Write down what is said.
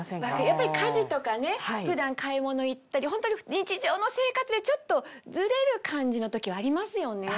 やっぱり家事とかね普段買い物行ったりホントに日常の生活でちょっとずれる感じの時ありますよね。